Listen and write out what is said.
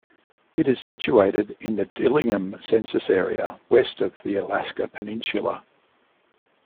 It is situated in the Dillingham Census Area, west of the Alaska Peninsula.